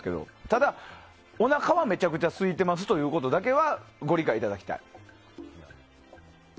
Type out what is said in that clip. ただ、おなかはめちゃくちゃすいてますということだけはご理解いただきたい。